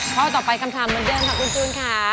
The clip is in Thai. ข้อต่อไปคำถามเหมือนเดิมค่ะคุณจูนค่ะ